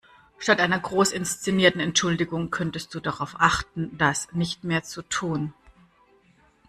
Statt einer groß inszenierten Entschuldigung könntest du darauf achten, das nicht mehr zu tun.